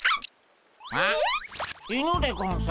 犬でゴンス。